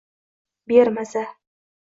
Bermasa